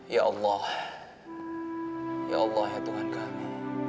ya allah ya allah ya tuhan kami